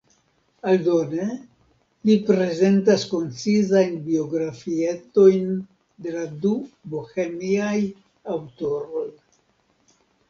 Aldone, li prezentas koncizajn biografietojn de la du bohemiaj aŭtoroj.